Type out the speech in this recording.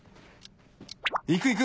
「行く行く！